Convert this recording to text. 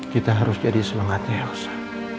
kita harus jadi semangatnya elsa